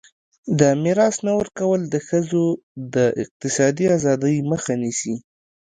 د میراث نه ورکول د ښځو د اقتصادي ازادۍ مخه نیسي.